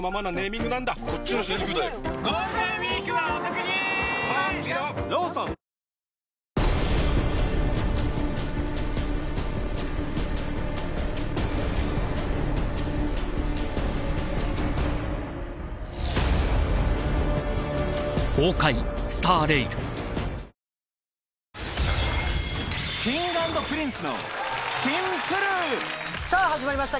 気になるＫｉｎｇ＆Ｐｒｉｎｃｅのさぁ始まりました